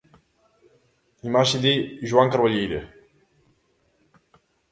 Imaxe de Johan Carballeira.